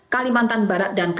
kalimantan barat dan papua